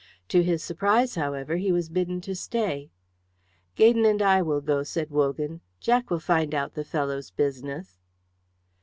To his surprise, however, he was bidden to stay. "Gaydon and I will go," said Wogan. "Jack will find out the fellow's business."